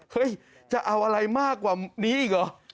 เฮ้ยจะเอาอะไรมากกว่านี้อีกเหรอ